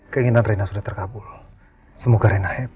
keinginan rina sudah terkabul semoga rina happy